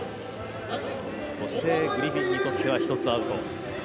そしてグリフィンにとっては１つアウト。